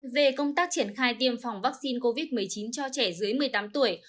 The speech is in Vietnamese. về công tác triển khai tiêm phòng vaccine covid một mươi chín cho trẻ dưới một mươi tám tuổi